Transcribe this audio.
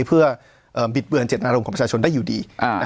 ถูกนำมาใช้เพื่อบิดเบือนเจ็ดนารมณ์ของประชาชนได้อยู่ดี